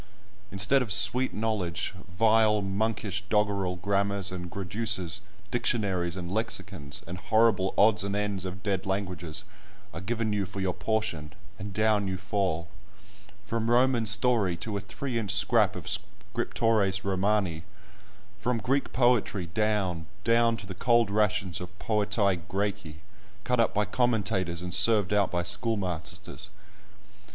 Instead of sweet knowledge, vile, monkish, doggerel grammars and graduses, dictionaries and lexicons, and horrible odds and ends of dead languages, are given you for your portion, and down you fall, from Roman story to a three inch scrap of "Scriptores Romani,"—from Greek poetry down, down to the cold rations of "Poetæ Græci," cut up by commentators, and served out by schoolmasters!